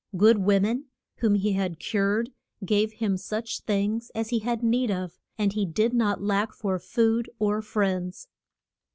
Good wo men, whom he had cured, gave him such things as he had need of, and he did not lack for food or friends.